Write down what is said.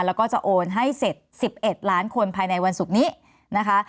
แล้วก็จะโอนให้เสร็จ๑๑ล้านคนภายในวันศุกร์นี้นะคะ